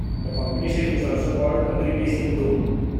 The competition is also called "Communities in Bloom".